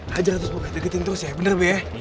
hajar terus buku deketin terus ya bener bu ya